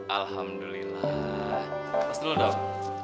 alhamdulillah pas dulu dong